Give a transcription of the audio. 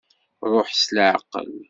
Ṛuḥ s leɛqel.